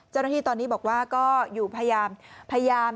เจ้าหน้าที่ตอนนี้บอกว่าก็อยู่พยายาม